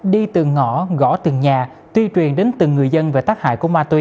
đi từng ngõ gõ từng nhà tuyên truyền đến từng người dân về tác hại của ma túy